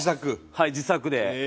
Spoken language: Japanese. はい自作で。